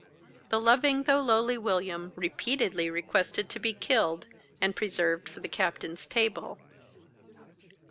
The loving though lowly William repeatedly requested to be killed, and preserved for the captain's table.